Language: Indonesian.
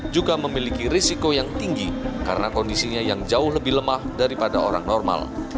juga memiliki risiko yang tinggi karena kondisinya yang jauh lebih lemah daripada orang normal